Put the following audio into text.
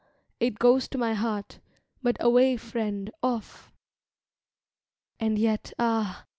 it goes to my heart—but away, friend, off! And yet, ah!